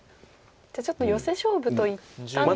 じゃあちょっとヨセ勝負と言ったんですが。